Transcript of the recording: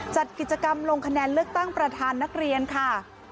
จัดกิจกรรมลงคะแนนเลือกตั้งประธานนักเรียนค่ะ